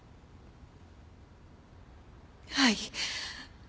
はい。